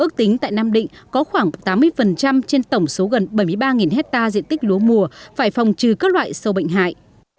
ước tính tại nam định có khoảng tám mươi trên tổng số gần bảy mươi ba hectare diện tích lúa mùa phải phòng trừ các loại sâu bệnh hại